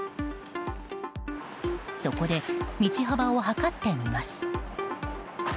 そこで道幅を測ってみます。